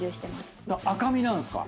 赤身なんすか？